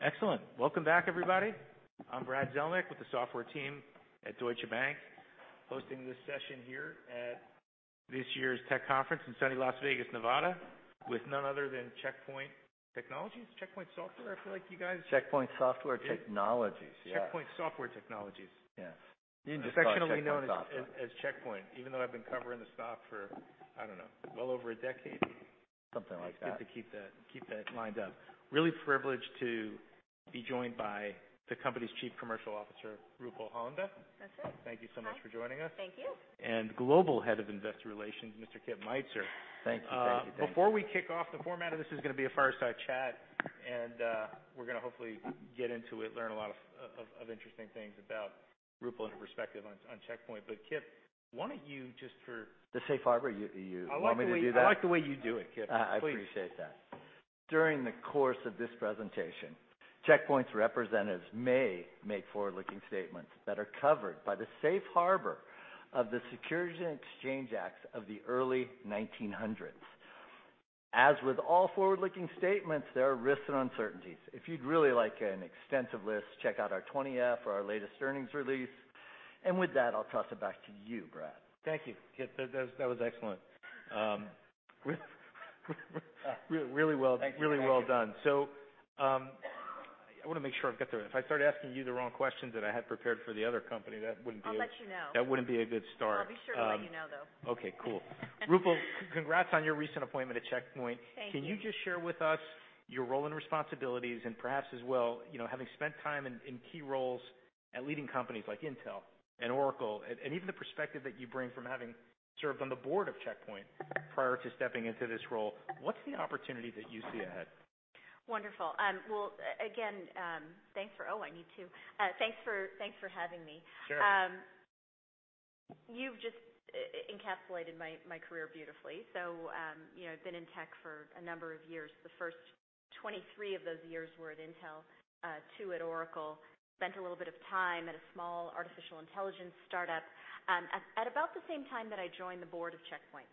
Excellent. Welcome back, everybody. I'm Brad Zelnick with the software team at Deutsche Bank, hosting this session here at this year's tech conference in sunny Las Vegas, Nevada, with none other than Check Point Software Technologies. Check Point Software, I feel like you guys. Check Point Software Technologies. Yeah. Check Point Software Technologies. Yeah. Affectionately known as Check Point, even though I've been covering the stock for, I don't know, well over a decade. Something like that. It's good to keep that lined up. Really privileged to be joined by the company's Chief Commercial Officer, Rupal Hollenbeck. That's it. Thank you so much for joining us. Thank you. Global Head of Investor Relations, Mr. Kip Meintzer. Thank you. Before we kick off, the format of this is gonna be a fireside chat, and we're gonna hopefully get into it, learn a lot of interesting things about Rupal and her perspective on Check Point. But Kip, why don't you just for- The safe harbor, you want me to do that? I like the way you do it, Kip. I appreciate that. During the course of this presentation, Check Point's representatives may make forward-looking statements that are covered by the safe harbor of the Securities and Exchange Acts of the early 1900s. As with all forward-looking statements, there are risks and uncertainties. If you'd really like an extensive list, check out our 20-F or our latest earnings release. With that, I'll toss it back to you, Brad. Thank you. Kip, that was excellent. Really well. Thank you. Really well done. If I start asking you the wrong questions that I had prepared for the other company, that wouldn't be a- I'll let you know. That wouldn't be a good start. I'll be sure to let you know, though. Okay, cool. Rupal, congrats on your recent appointment at Check Point. Thank you. Can you just share with us your role and responsibilities and perhaps as well, you know, having spent time in key roles at leading companies like Intel and Oracle, and even the perspective that you bring from having served on the board of Check Point prior to stepping into this role, what's the opportunity that you see ahead? Wonderful. Well, again, thanks for having me. Sure. You've just encapsulated my career beautifully. You know, I've been in tech for a number of years. The first 23 of those years were at Intel, two at Oracle. Spent a little bit of time at a small artificial intelligence startup, at about the same time that I joined the board of Check Point.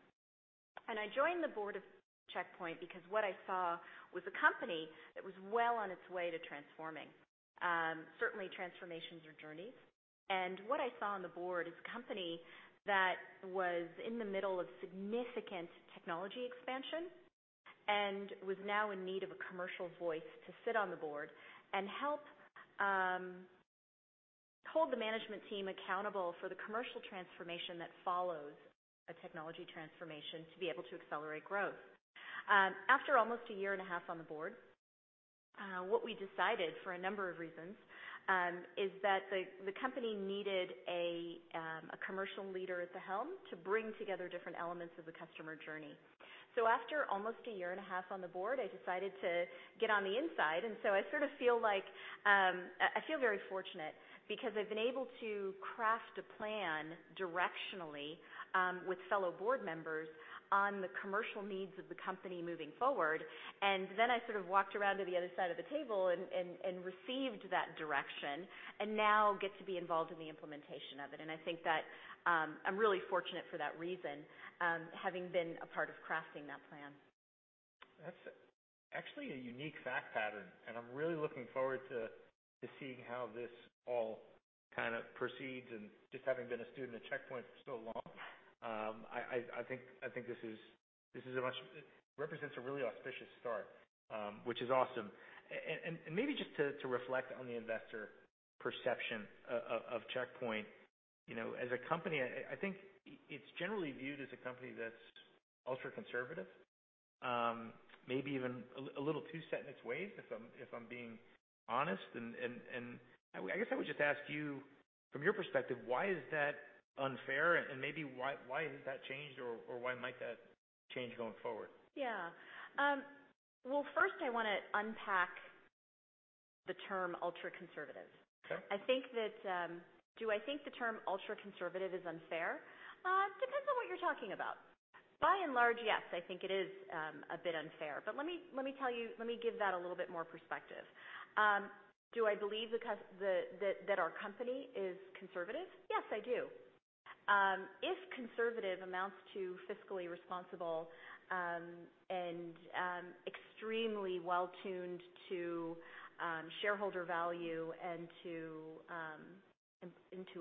I joined the board of Check Point because what I saw was a company that was well on its way to transforming. Certainly transformations are journeys. What I saw on the board is a company that was in the middle of significant technology expansion and was now in need of a commercial voice to sit on the board and help hold the management team accountable for the commercial transformation that follows a technology transformation to be able to accelerate growth. After almost a year and a half on the board, what we decided, for a number of reasons, is that the company needed a commercial leader at the helm to bring together different elements of the customer journey. After almost a year and a half on the board, I decided to get on the inside, and so I sort of feel like I feel very fortunate because I've been able to craft a plan directionally with fellow board members on the commercial needs of the company moving forward. Then I sort of walked around to the other side of the table and received that direction, and now get to be involved in the implementation of it. I think that I'm really fortunate for that reason, having been a part of crafting that plan. That's actually a unique fact pattern, and I'm really looking forward to seeing how this all kind of proceeds and just having been a student at Check Point for so long. It represents a really auspicious start, which is awesome. Maybe just to reflect on the investor perception of Check Point, you know, as a company, I think it's generally viewed as a company that's ultra-conservative, maybe even a little too set in its ways, if I'm being honest. I guess I would just ask you, from your perspective, why is that unfair? Maybe why has that changed or why might that change going forward? Yeah. Well, first I wanna unpack the term ultra-conservative. Okay. Do I think the term ultra-conservative is unfair? It depends on what you're talking about. By and large, yes, I think it is a bit unfair. Let me tell you, let me give that a little bit more perspective. Do I believe that our company is conservative? Yes, I do. If conservative amounts to fiscally responsible and extremely well-tuned to shareholder value and to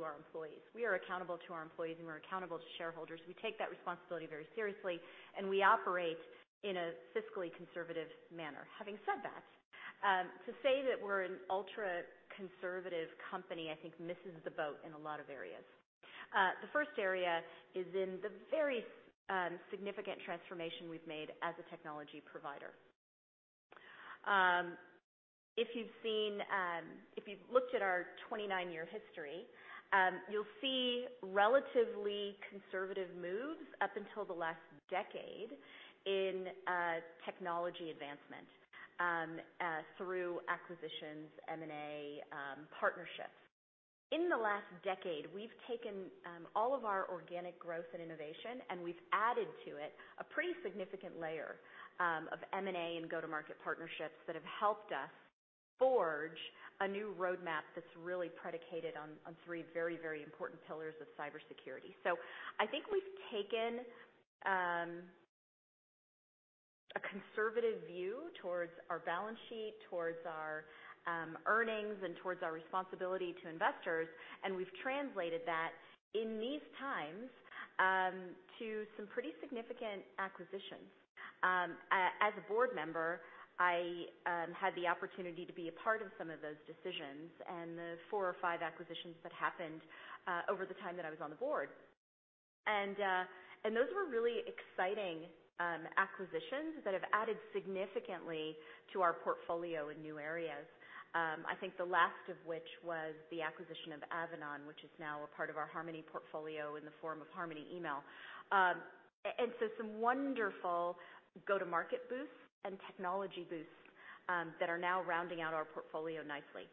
our employees. We are accountable to our employees and we're accountable to shareholders. We take that responsibility very seriously, and we operate in a fiscally conservative manner. Having said that, to say that we're an ultra-conservative company, I think misses the boat in a lot of areas. The first area is in the very significant transformation we've made as a technology provider. If you've looked at our 29-year history, you'll see relatively conservative moves up until the last decade in technology advancement through acquisitions, M&A, partnerships. In the last decade, we've taken all of our organic growth and innovation, and we've added to it a pretty significant layer of M&A and go-to-market partnerships that have helped us forge a new roadmap that's really predicated on three very, very important pillars of cybersecurity. I think we've taken a conservative view towards our balance sheet, towards our earnings, and towards our responsibility to investors, and we've translated that in these times to some pretty significant acquisitions. As a board member, I had the opportunity to be a part of some of those decisions and the four or five acquisitions that happened over the time that I was on the board. Those were really exciting acquisitions that have added significantly to our portfolio in new areas. I think the last of which was the acquisition of Avanan, which is now a part of our Harmony portfolio in the form of Harmony Email. Some wonderful go-to-market boosts and technology boosts that are now rounding out our portfolio nicely.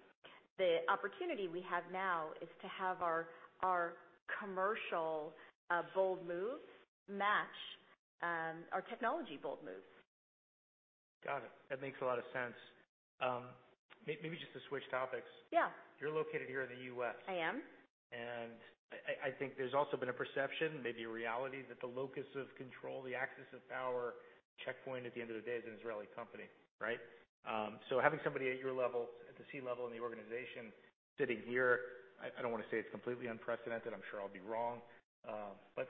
The opportunity we have now is to have our commercial bold moves match our technology bold moves. Got it. That makes a lot of sense. Maybe just to switch topics. Yeah. You're located here in the U.S. I am. I think there's also been a perception, maybe a reality that the locus of control, the axis of power. Check Point at the end of the day is an Israeli company, right? So having somebody at your level, at the C-level in the organization sitting here, I don't wanna say it's completely unprecedented, I'm sure I'll be wrong. But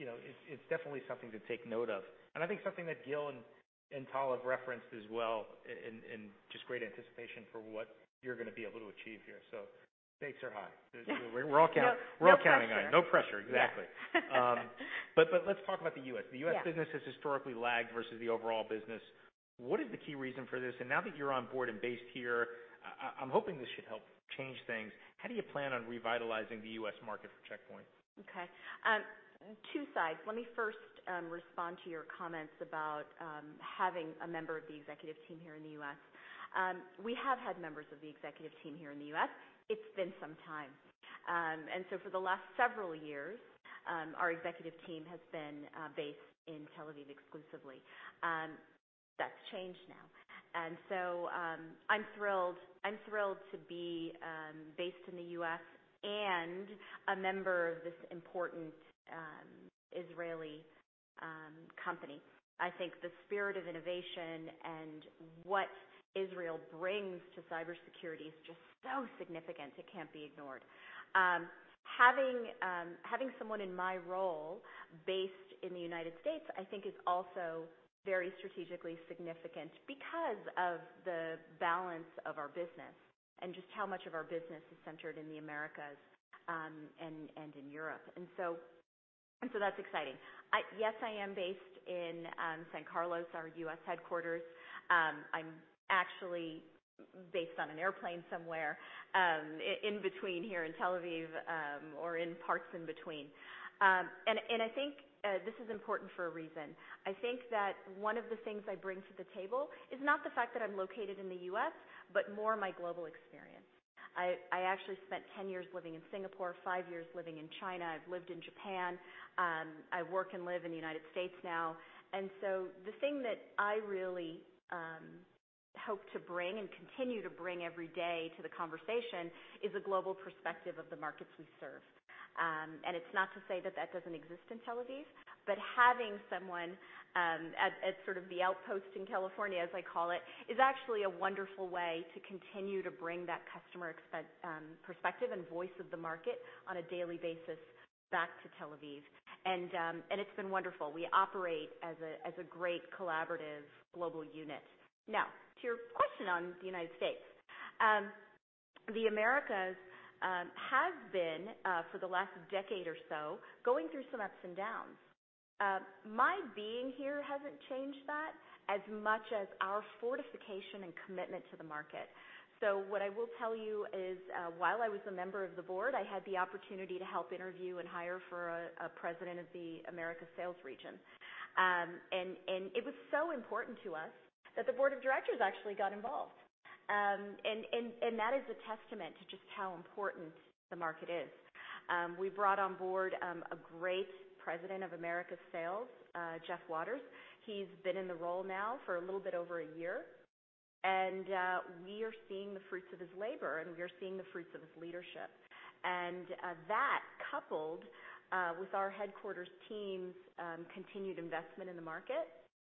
you know, it's definitely something to take note of. I think something that Gil and Tal have referenced as well in just great anticipation for what you're gonna be able to achieve here. Stakes are high. We're all count- No pressure. We're all counting on you. No pressure, exactly. Let's talk about the U.S. Yeah. The U.S. business has historically lagged versus the overall business. What is the key reason for this? Now that you're on board and based here, I'm hoping this should help change things. How do you plan on revitalizing the U.S. market for Check Point? Okay. Two sides. Let me first respond to your comments about having a member of the executive team here in the US. We have had members of the executive team here in the US. It's been some time. For the last several years, our executive team has been based in Tel Aviv exclusively. That's changed now. I'm thrilled. I'm thrilled to be based in the US and a member of this important Israeli company. I think the spirit of innovation and what Israel brings to cybersecurity is just so significant it can't be ignored. Having someone in my role based in the United States, I think is also very strategically significant because of the balance of our business and just how much of our business is centered in the Americas, and in Europe. That's exciting. Yes, I am based in San Carlos, our U.S. headquarters. I'm actually based on an airplane somewhere, in between here in Tel Aviv, or in parts in between. I think this is important for a reason. I think that one of the things I bring to the table is not the fact that I'm located in the U.S., but more my global experience. I actually spent 10 years living in Singapore, five years living in China. I've lived in Japan. I work and live in the United States now. The thing that I really hope to bring and continue to bring every day to the conversation is a global perspective of the markets we serve. It's not to say that that doesn't exist in Tel Aviv, but having someone at sort of the outpost in California, as I call it, is actually a wonderful way to continue to bring that customer perspective and voice of the market on a daily basis back to Tel Aviv. It's been wonderful. We operate as a great collaborative global unit. Now, to your question on the United States. The Americas have been for the last decade or so, going through some ups and downs. My being here hasn't changed that as much as our fortification and commitment to the market. What I will tell you is, while I was a member of the board, I had the opportunity to help interview and hire for a president of the Americas sales region. It was so important to us that the board of directors actually got involved. That is a testament to just how important the market is. We brought on board a great President of Americas Sales, Geoff Waters. He's been in the role now for a little bit over a year, and we are seeing the fruits of his labor, and we are seeing the fruits of his leadership. That coupled with our headquarters team's continued investment in the market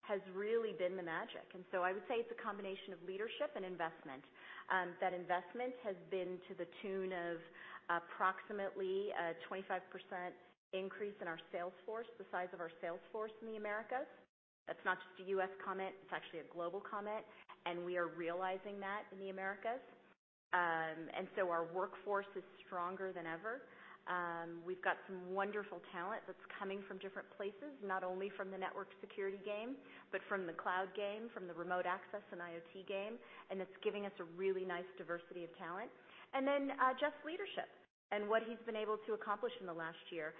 has really been the magic. I would say it's a combination of leadership and investment. That investment has been to the tune of approximately a 25% increase in our sales force, the size of our sales force in the Americas. That's not just a U.S. comment, it's actually a global comment, and we are realizing that in the Americas. Our workforce is stronger than ever. We've got some wonderful talent that's coming from different places, not only from the network security game, but from the cloud game, from the remote access and IoT game, and it's giving us a really nice diversity of talent. Geoff's leadership and what he's been able to accomplish in the last year.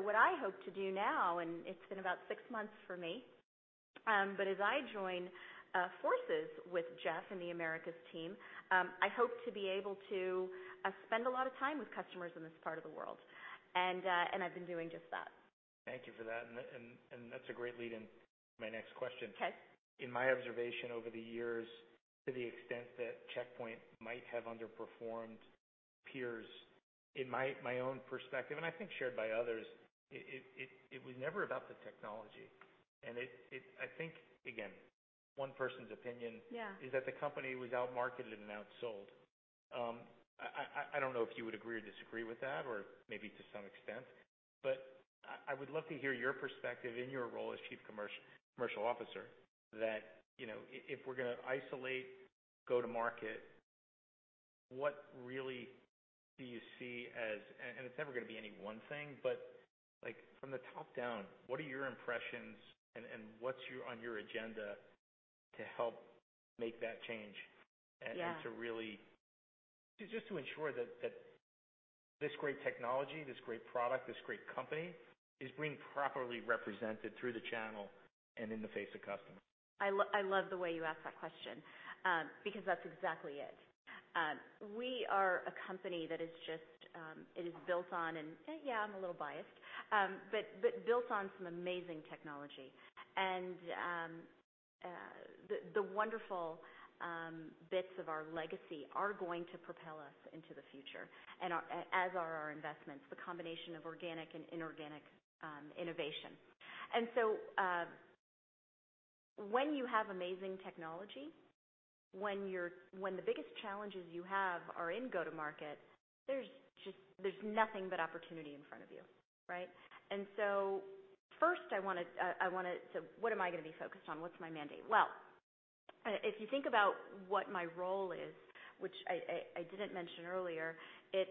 What I hope to do now, and it's been about six months for me, but as I join forces with Geoff and the Americas team, I hope to be able to spend a lot of time with customers in this part of the world. I've been doing just that. Thank you for that. That's a great lead into my next question. Okay. In my observation over the years, to the extent that Check Point might have underperformed peers, in my own perspective, and I think shared by others, it was never about the technology. I think, again, one person's opinion. Yeah is that the company was outmarketed and outsold. I don't know if you would agree or disagree with that or maybe to some extent, but I would love to hear your perspective in your role as chief commercial officer that, you know, if we're gonna isolate go-to-market, what really do you see as. It's never gonna be any one thing, but, like, from the top down, what are your impressions and what's on your agenda to help make that change. Yeah Just to ensure that this great technology, this great product, this great company is being properly represented through the channel and in the face of customers. I love the way you ask that question, because that's exactly it. We are a company that is just. It is built on and, yeah, I'm a little biased, but built on some amazing technology. The wonderful bits of our legacy are going to propel us into the future and our, as are our investments, the combination of organic and inorganic, innovation. When you have amazing technology, when you're, when the biggest challenges you have are in go-to-market, there's just nothing but opportunity in front of you, right? First I wanna. So what am I gonna be focused on? What's my mandate? Well, if you think about what my role is, which I didn't mention earlier, it's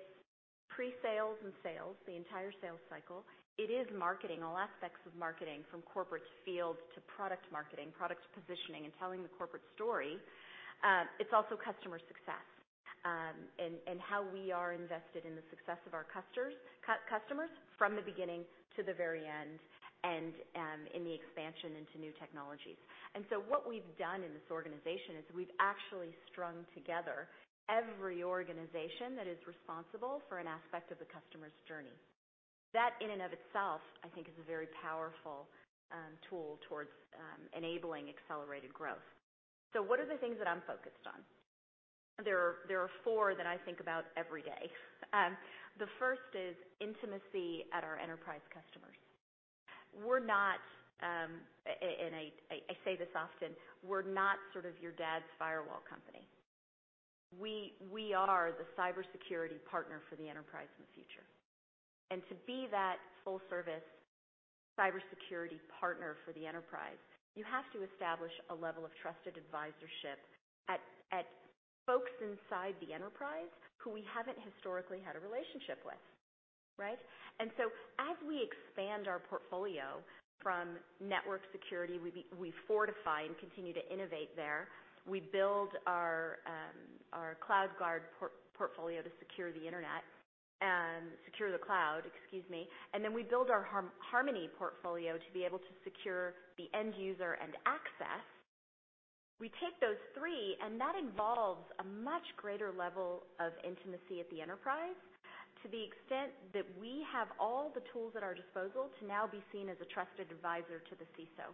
pre-sales and sales, the entire sales cycle. It is marketing, all aspects of marketing from corporate fields to product marketing, product positioning, and telling the corporate story. It's also customer success, and how we are invested in the success of our customers from the beginning to the very end, and in the expansion into new technologies. What we've done in this organization is we've actually strung together every organization that is responsible for an aspect of the customer's journey. That in and of itself, I think, is a very powerful tool towards enabling accelerated growth. What are the things that I'm focused on? There are four that I think about every day. The first is intimacy at our enterprise customers. We're not, and I say this often, we're not sort of your dad's firewall company. We are the cybersecurity partner for the enterprise in the future. To be that full service cybersecurity partner for the enterprise, you have to establish a level of trusted advisorship at folks inside the enterprise who we haven't historically had a relationship with, right? As we expand our portfolio from network security, we fortify and continue to innovate there. We build our CloudGuard portfolio to secure the internet, secure the cloud. We build our Harmony portfolio to be able to secure the end user and access. We take those three, and that involves a much greater level of intimacy at the enterprise to the extent that we have all the tools at our disposal to now be seen as a trusted advisor to the CISO.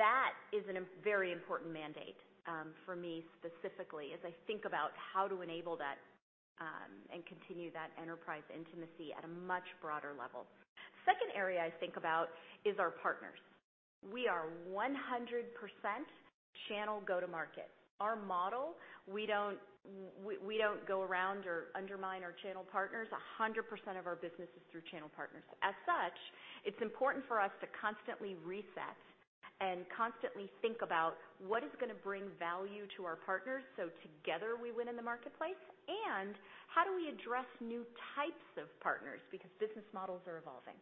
That is a very important mandate for me, specifically, as I think about how to enable that and continue that enterprise intimacy at a much broader level. Second area I think about is our partners. We are 100% channel go-to-market. Our model, we don't go around or undermine our channel partners. 100% of our business is through channel partners. As such, it's important for us to constantly reset and constantly think about what is gonna bring value to our partners, so together we win in the marketplace. How do we address new types of partners? Because business models are evolving.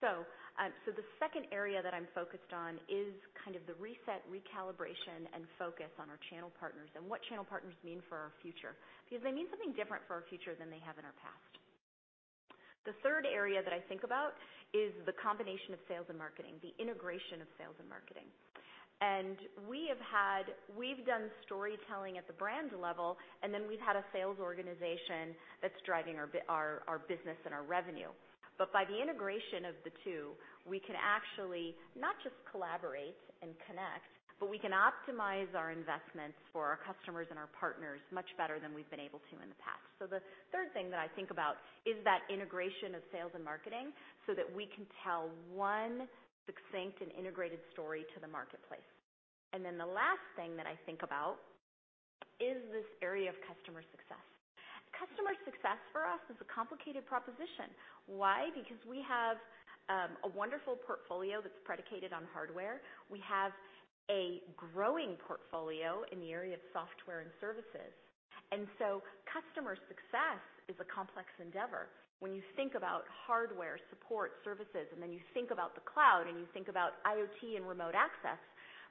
The second area that I'm focused on is kind of the reset, recalibration, and focus on our channel partners and what channel partners mean for our future, because they mean something different for our future than they have in our past. The third area that I think about is the combination of sales and marketing, the integration of sales and marketing. We have had. We've done storytelling at the brand level, and then we've had a sales organization that's driving our business and our revenue. By the integration of the two, we can actually not just collaborate and connect, but we can optimize our investments for our customers and our partners much better than we've been able to in the past. The third thing that I think about is that integration of sales and marketing so that we can tell one succinct and integrated story to the marketplace. The last thing that I think about is this area of customer success. Customer success for us is a complicated proposition. Why? Because we have a wonderful portfolio that's predicated on hardware. We have a growing portfolio in the area of software and services. Customer success is a complex endeavor. When you think about hardware, support, services, and then you think about the cloud, and you think about IoT and remote access,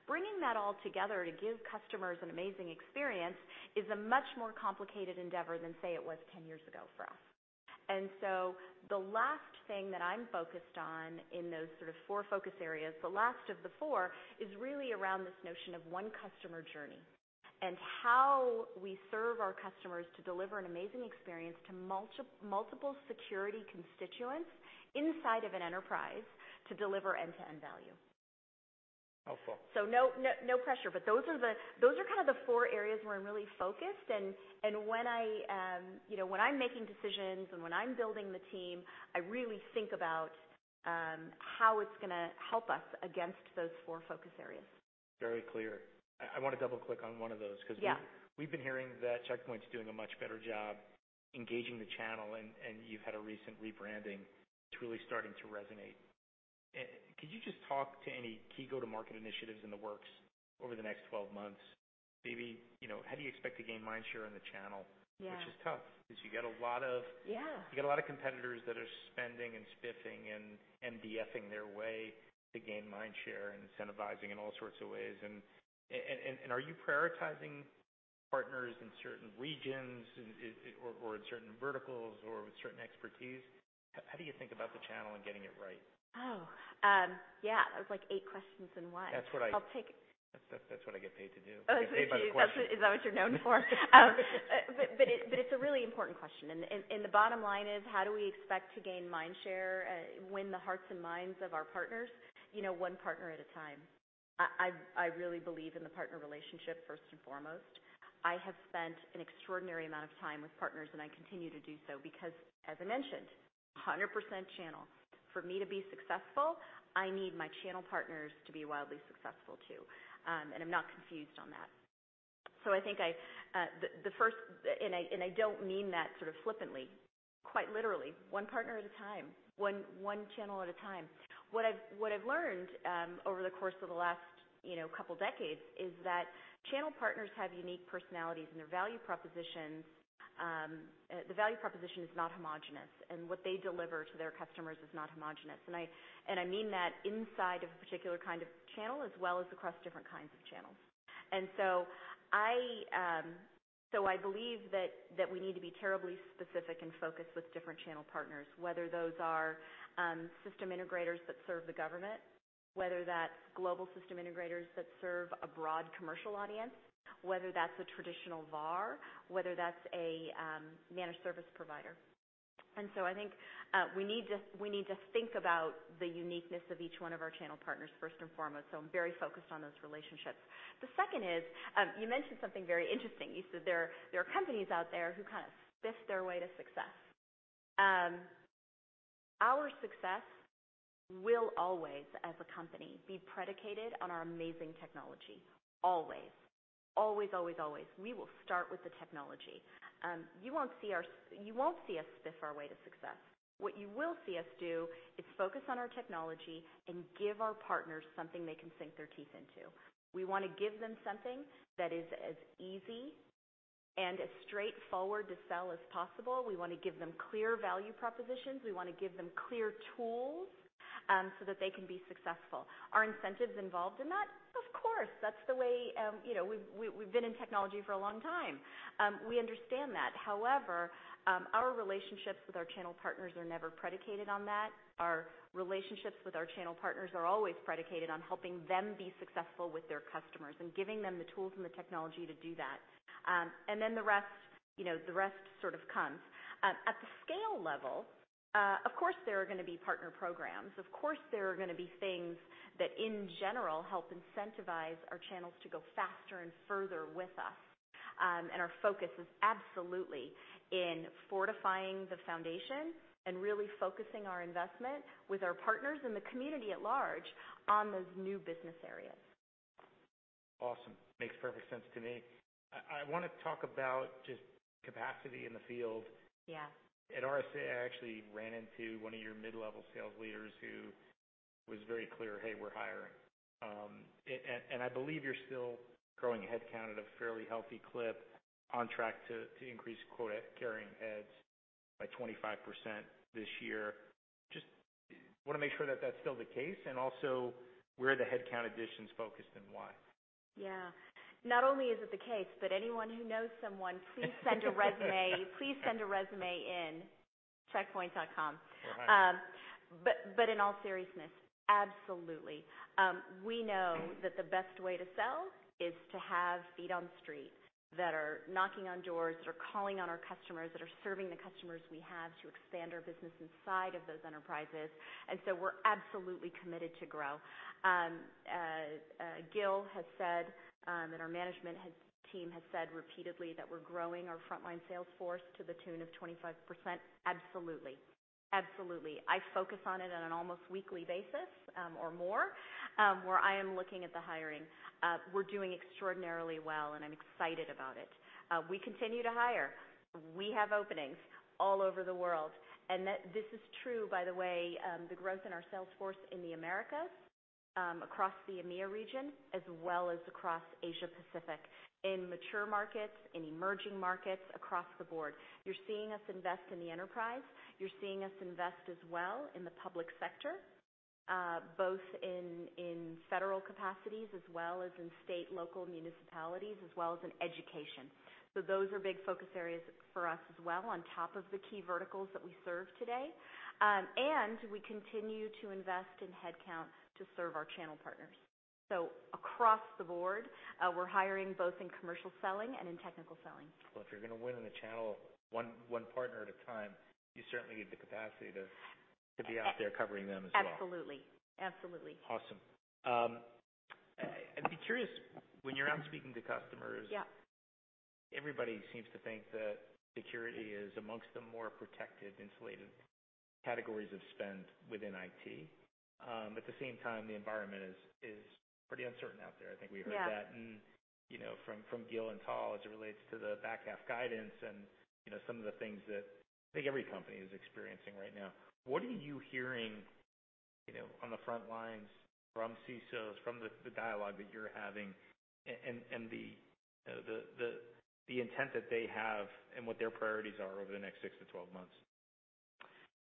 bringing that all together to give customers an amazing experience is a much more complicated endeavor than, say, it was 10 years ago for us. The last thing that I'm focused on in those sort of four focus areas, the last of the four is really around this notion of one customer journey. How we serve our customers to deliver an amazing experience to multiple security constituents inside of an enterprise to deliver end-to-end value. Helpful. No, no pressure, but those are kind of the four areas where I'm really focused. When I, you know, when I'm making decisions and when I'm building the team, I really think about how it's gonna help us against those four focus areas. Very clear. I wanna double-click on one of those. Yeah. 'Cause we've been hearing that Check Point's doing a much better job engaging the channel, and you've had a recent rebranding. It's really starting to resonate. Could you just talk to any key go-to-market initiatives in the works over the next 12 months? Maybe, you know, how do you expect to gain mind share in the channel? Yeah. Which is tough 'cause you got a lot of. Yeah. You got a lot of competitors that are spending and spiffing and MDF-ing their way to gain mind share and incentivizing in all sorts of ways. Are you prioritizing partners in certain regions and, or in certain verticals or with certain expertise? How do you think about the channel and getting it right? Oh, yeah. That was like eight questions in one. That's what I I'll take. That's what I get paid to do. Oh, thank you. Get paid by the question. Is that what you're known for? It's a really important question. The bottom line is how do we expect to gain mind share, win the hearts and minds of our partners? You know, one partner at a time. I really believe in the partner relationship first and foremost. I have spent an extraordinary amount of time with partners, and I continue to do so because, as I mentioned, 100% channel. For me to be successful, I need my channel partners to be wildly successful too. I'm not confused on that. I think I don't mean that sort of flippantly, quite literally, one partner at a time, one channel at a time. What I've learned over the course of the last, you know, couple decades is that channel partners have unique personalities, and their value propositions, the value proposition is not homogeneous. What they deliver to their customers is not homogeneous. I mean that inside of a particular kind of channel as well as across different kinds of channels. I believe that we need to be terribly specific and focused with different channel partners, whether those are system integrators that serve the government, whether that's global system integrators that serve a broad commercial audience, whether that's a traditional VAR, whether that's a managed service provider. I think we need to think about the uniqueness of each one of our channel partners first and foremost. I'm very focused on those relationships. The second is, you mentioned something very interesting. You said there are companies out there who kind of spiff their way to success. Our success will always, as a company, be predicated on our amazing technology. Always. We will start with the technology. You won't see us spiff our way to success. What you will see us do is focus on our technology and give our partners something they can sink their teeth into. We wanna give them something that is as easy and as straightforward to sell as possible. We wanna give them clear value propositions. We wanna give them clear tools, so that they can be successful. Are incentives involved in that? Of course, that's the way, you know, we've been in technology for a long time. We understand that. However, our relationships with our channel partners are never predicated on that. Our relationships with our channel partners are always predicated on helping them be successful with their customers and giving them the tools and the technology to do that. Then the rest, you know, the rest sort of comes. At the scale level, of course, there are gonna be partner programs. Of course, there are gonna be things that in general help incentivize our channels to go faster and further with us. Our focus is absolutely in fortifying the foundation and really focusing our investment with our partners and the community at large on those new business areas. Awesome. Makes perfect sense to me. I wanna talk about just capacity in the field. Yeah. At RSA, I actually ran into one of your mid-level sales leaders who was very clear, "Hey, we're hiring." I believe you're still growing headcount at a fairly healthy clip on track to increase quota-carrying heads by 25% this year. Just wanna make sure that that's still the case, and also where are the headcount additions focused and why? Yeah. Not only is it the case, but anyone who knows someone please send a resume in, checkpoint.com. All right. In all seriousness, absolutely. We know that the best way to sell is to have feet on the streets that are knocking on doors, that are calling on our customers, that are serving the customers we have to expand our business inside of those enterprises. We're absolutely committed to grow. As Gil has said, and our management team has said repeatedly that we're growing our frontline sales force to the tune of 25%. Absolutely. I focus on it on an almost weekly basis, or more, where I am looking at the hiring. We're doing extraordinarily well, and I'm excited about it. We continue to hire. We have openings all over the world, and that this is true, by the way, the growth in our sales force in the Americas, across the EMEA region, as well as across Asia Pacific. In mature markets, in emerging markets, across the board, you're seeing us invest in the enterprise. You're seeing us invest as well in the public sector, both in federal capacities as well as in state, local municipalities as well as in education. Those are big focus areas for us as well on top of the key verticals that we serve today. We continue to invest in headcounts to serve our channel partners. Across the board, we're hiring both in commercial selling and in technical selling. Well, if you're gonna win in the channel, one partner at a time, you certainly need the capacity to be out there covering them as well. Absolutely. Absolutely. Awesome. I'd be curious, when you're out speaking to customers. Yeah Everybody seems to think that security is among the more protected, insulated categories of spend within IT. At the same time, the environment is pretty uncertain out there. I think we heard that. Yeah You know, from Gil and Tal as it relates to the back half guidance and, you know, some of the things that I think every company is experiencing right now. What are you hearing, you know, on the front lines from CISOs, from the intent that they have and what their priorities are over the next six-12 months?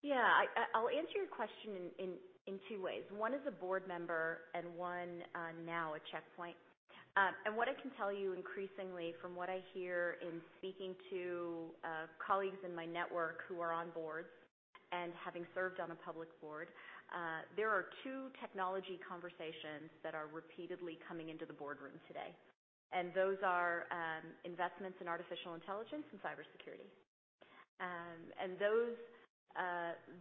Yeah. I'll answer your question in two ways. One as a board member and one now at Check Point. What I can tell you increasingly from what I hear in speaking to colleagues in my network who are on boards and having served on a public board, there are two technology conversations that are repeatedly coming into the boardroom today. Those are investments in artificial intelligence and cybersecurity.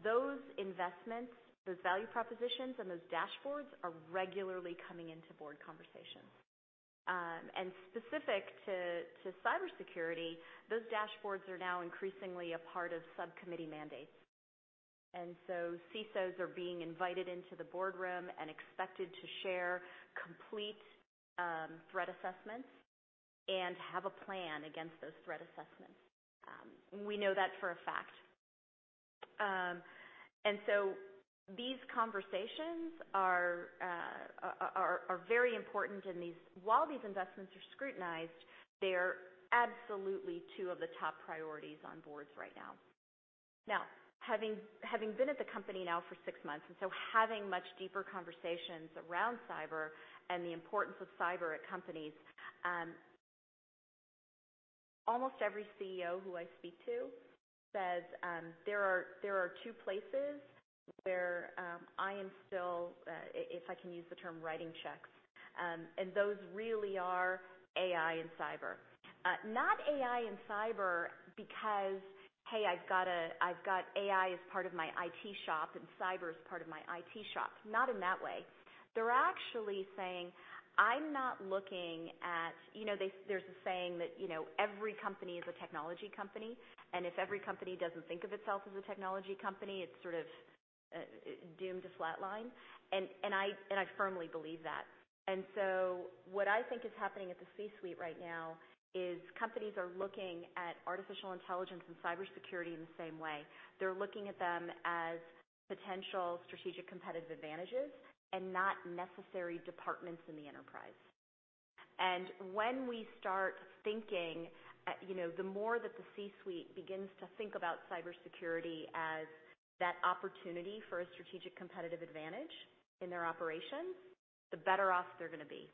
Those investments, those value propositions, and those dashboards are regularly coming into board conversations. Specific to cybersecurity, those dashboards are now increasingly a part of subcommittee mandates. CISOs are being invited into the boardroom and expected to share complete threat assessments and have a plan against those threat assessments. We know that for a fact. These conversations are very important. While these investments are scrutinized, they're absolutely two of the top priorities on boards right now. Now, having been at the company now for six months, having much deeper conversations around cyber and the importance of cyber at companies, almost every CEO who I speak to says, "There are two places where I am still, if I can use the term, writing checks, and those really are AI and cyber." Not AI and cyber because, "Hey, I've got AI as part of my IT shop and cyber as part of my IT shop." Not in that way. They're actually saying, "I'm not looking at." You know, there's a saying that, you know, every company is a technology company, and if every company doesn't think of itself as a technology company, it's sort of doomed to flatline. I firmly believe that. What I think is happening at the C-suite right now is companies are looking at artificial intelligence and cybersecurity in the same way. They're looking at them as potential strategic competitive advantages and not necessary departments in the enterprise. When we start thinking, you know, the more that the C-suite begins to think about cybersecurity as that opportunity for a strategic competitive advantage in their operations, the better off they're gonna be.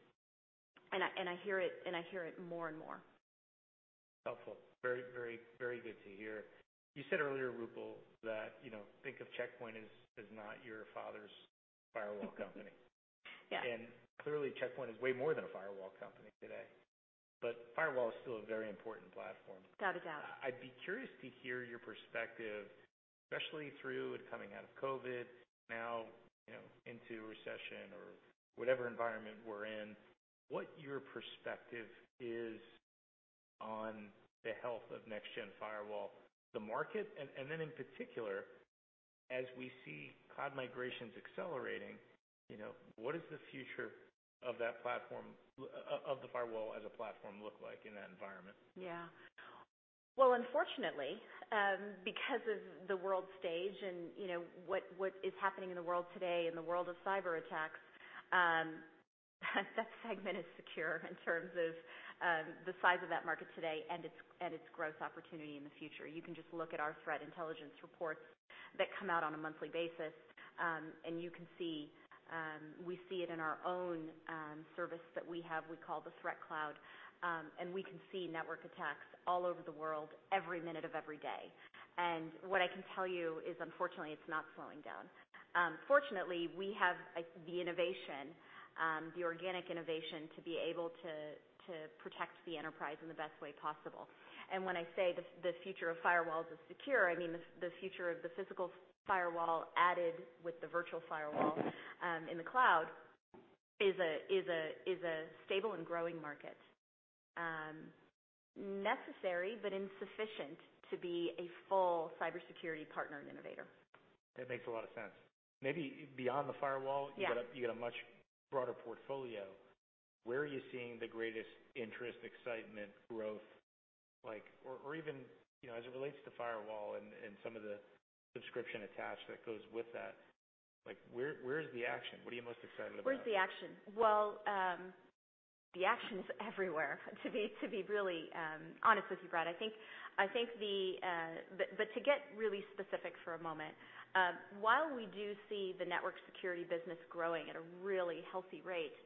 I hear it more and more. Helpful. Very good to hear. You said earlier, Rupal, that, you know, think of Check Point as not your father's firewall company. Yeah. Clearly, Check Point is way more than a firewall company today. Firewall is still a very important platform. Without a doubt. I'd be curious to hear your perspective, especially through and coming out of COVID, now, you know, into recession or whatever environment we're in, what your perspective is on the health of next-gen firewall market. In particular, as we see cloud migrations accelerating, you know, what is the future of that platform, of the firewall as a platform look like in that environment? Yeah. Well, unfortunately, because of the world stage and, you know, what is happening in the world today, in the world of cyberattacks, that segment is secure in terms of the size of that market today and its growth opportunity in the future. You can just look at our threat intelligence reports that come out on a monthly basis, and you can see. We see it in our own service that we have, we call the ThreatCloud, and we can see network attacks all over the world every minute of every day. What I can tell you is, unfortunately, it's not slowing down. Fortunately, we have, like, the innovation, the organic innovation to be able to protect the enterprise in the best way possible. When I say the future of firewalls is secure, I mean the future of the physical firewall added with the virtual firewall in the cloud is a stable and growing market. Necessary but insufficient to be a full cybersecurity partner and innovator. That makes a lot of sense. Maybe beyond the firewall. Yeah You got a much broader portfolio. Where are you seeing the greatest interest, excitement, growth? Like, or even, you know, as it relates to firewall and some of the subscription attached that goes with that, like where's the action? What are you most excited about? Where's the action? Well, the action's everywhere, to be really honest with you, Brad. I think to get really specific for a moment, while we do see the network security business growing at a really healthy rate.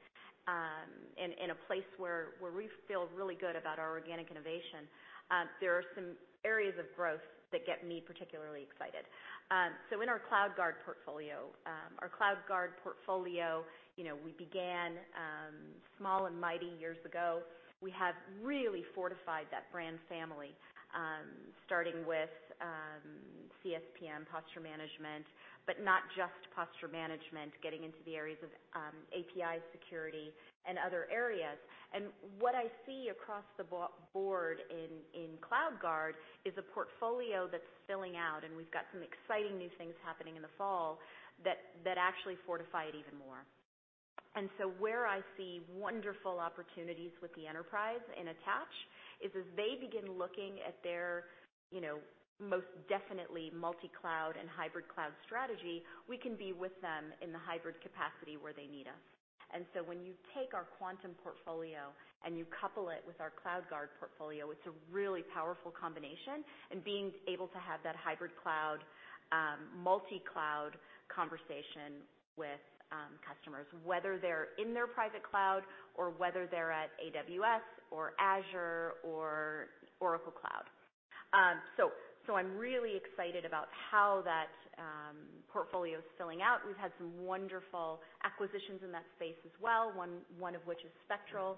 In a place where we feel really good about our organic innovation, there are some areas of growth that get me particularly excited. In our CloudGuard portfolio, you know, we began small and mighty years ago. We have really fortified that brand family, starting with CSPM posture management, but not just posture management, getting into the areas of API security and other areas. What I see across the board in CloudGuard is a portfolio that's filling out, and we've got some exciting new things happening in the fall that actually fortify it even more. Where I see wonderful opportunities with the enterprise and attach is as they begin looking at their, you know, most definitely multi-cloud and hybrid cloud strategy, we can be with them in the hybrid capacity where they need us. When you take our Quantum portfolio and you couple it with our CloudGuard portfolio, it's a really powerful combination, and being able to have that hybrid cloud, multi-cloud conversation with customers, whether they're in their private cloud or whether they're at AWS or Azure or Oracle Cloud. I'm really excited about how that portfolio's filling out. We've had some wonderful acquisitions in that space as well, one of which is Spectral,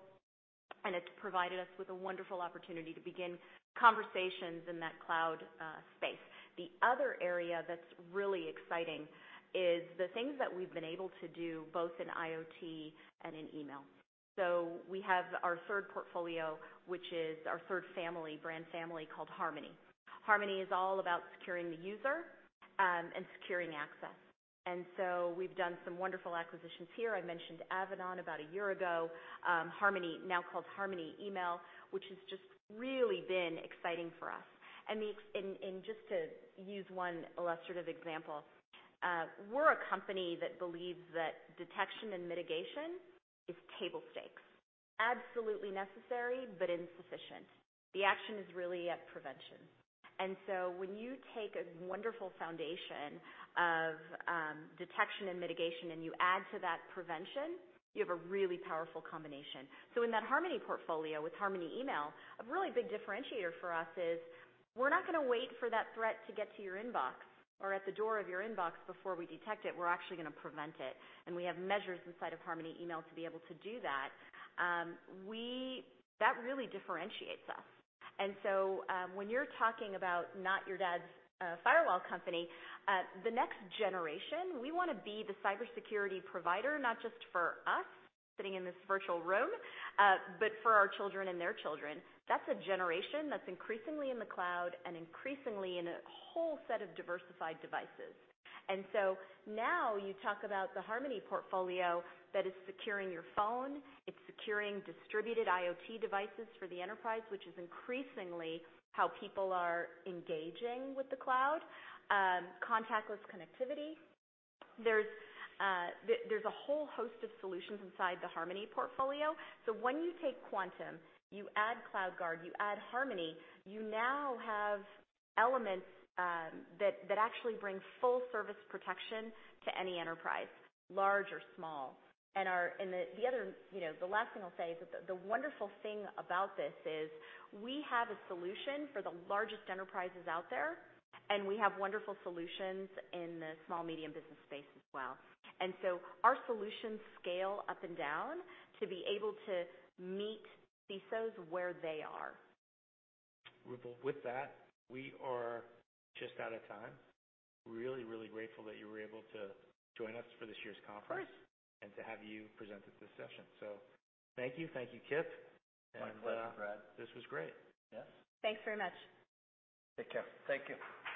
and it's provided us with a wonderful opportunity to begin conversations in that cloud space. The other area that's really exciting is the things that we've been able to do both in IoT and in email. We have our third portfolio, which is our third family, brand family, called Harmony. Harmony is all about securing the user and securing access. We've done some wonderful acquisitions here. I mentioned Avanan about a year ago, Harmony, now called Harmony Email, which has just really been exciting for us. Just to use one illustrative example, we're a company that believes that detection and mitigation is table stakes. Absolutely necessary, but insufficient. The action is really at prevention. When you take a wonderful foundation of detection and mitigation, and you add to that prevention, you have a really powerful combination. In that Harmony portfolio with Harmony Email, a really big differentiator for us is we're not gonna wait for that threat to get to your inbox or at the door of your inbox before we detect it. We're actually gonna prevent it, and we have measures inside of Harmony Email to be able to do that. That really differentiates us. When you're talking about not your dad's firewall company, the next generation, we wanna be the cybersecurity provider, not just for us sitting in this virtual room, but for our children and their children. That's a generation that's increasingly in the cloud and increasingly in a whole set of diversified devices. Now you talk about the Harmony portfolio that is securing your phone, it's securing distributed IoT devices for the enterprise, which is increasingly how people are engaging with the cloud. Contactless connectivity. There's a whole host of solutions inside the Harmony portfolio. When you take Quantum, you add CloudGuard, you add Harmony, you now have elements that actually bring full service protection to any enterprise, large or small. The other, you know, the last thing I'll say is that the wonderful thing about this is we have a solution for the largest enterprises out there, and we have wonderful solutions in the small medium business space as well. Our solutions scale up and down to be able to meet CISOs where they are. Rupal, with that, we are just out of time. Really, really grateful that you were able to join us for this year's conference. Of course. to have you present at this session. Thank you. Thank you, Kip. My pleasure, Brad. This was great. Yes. Thanks very much. Take care. Thank you.